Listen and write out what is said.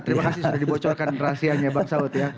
terima kasih sudah dibocorkan rahasianya bang saud ya